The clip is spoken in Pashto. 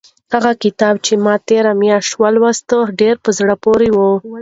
هغه کتاب چې ما تېره میاشت ولوست ډېر په زړه پورې و.